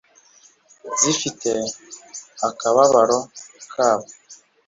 zifite akababaro kabo